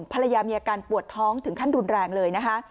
ภรรยามีอาการปวดท้องถึงขั้นรุนแรงเลยนะคะ